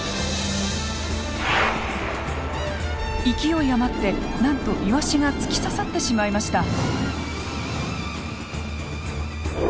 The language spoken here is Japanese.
勢い余ってなんとイワシが突き刺さってしまいました。